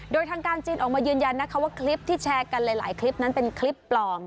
โดยทางการจีนออกมายืนยันนะคะว่าคลิปที่แชร์กันหลายคลิปนั้นเป็นคลิปปลอม